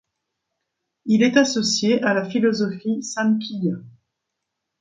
Il est associé à la philosophie samkhya.